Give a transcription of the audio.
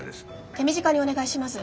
手短にお願いします。